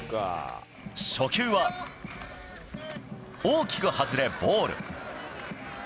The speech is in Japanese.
初球は大きく外れ、ボール。